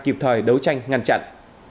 kịp thời đấu tranh ngăn chặn